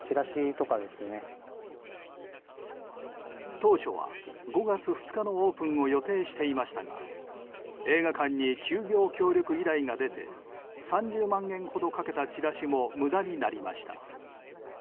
当初は５月２日のオープンを予定していましたが映画館に休業協力依頼が出て３０万円ほどかけたチラシも無駄になりました。